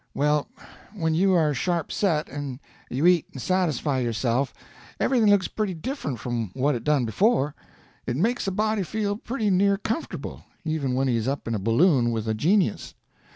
Well, when you are sharp set, and you eat and satisfy yourself, everything looks pretty different from what it done before. It makes a body feel pretty near comfortable, even when he is up in a balloon with a genius.